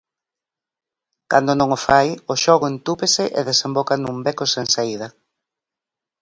Cando non o fai, o xogo entúpese e desemboca nun beco sen saída.